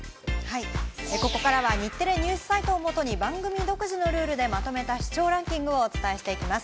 ここからは日テレＮＥＷＳサイトを元に番組独自のルールでまとめた視聴ランキングをお伝えしていきます。